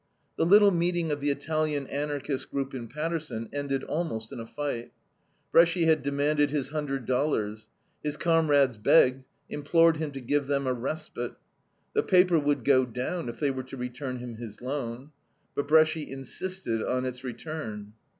The little meeting of the Italian Anarchist group in Paterson ended almost in a fight. Bresci had demanded his hundred dollars. His comrades begged, implored him to give them a respite. The paper would go down if they were to return him his loan. But Bresci insisted on its return.